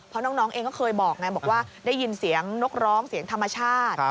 เพราะน้องเองก็เคยบอกไงบอกว่าได้ยินเสียงนกร้องเสียงธรรมชาติ